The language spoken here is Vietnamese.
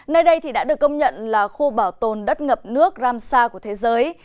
nơi đây đã được công nhận là khu bảo tồn đất ngập nước ram sa của thế giới